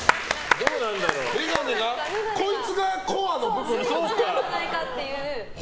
こいつがコアの部分。